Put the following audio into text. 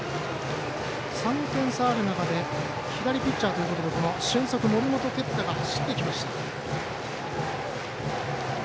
３点差ある中で左ピッチャーということで俊足、森本哲太が走ってきました。